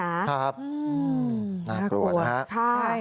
น่ากลัวนะครับ